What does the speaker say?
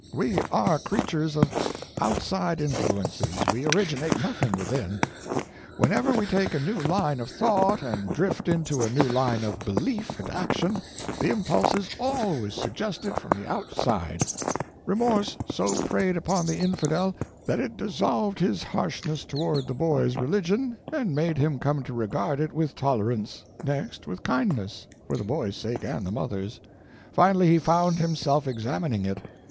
We are creatures of outside influences—we originate nothing within. Whenever we take a new line of thought and drift into a new line of belief and action, the impulse is always suggested from the outside. Remorse so preyed upon the Infidel that it dissolved his harshness toward the boy's religion and made him come to regard it with tolerance, next with kindness, for the boy's sake and the mother's. Finally he found himself examining it.